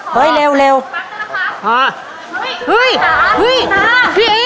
เป็นนมหรือเปล่าครับ